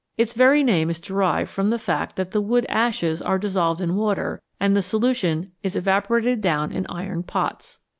Its very name is derived from the fact that the wood ashes are dissolved in water and the solution is evaporated down in iron pots.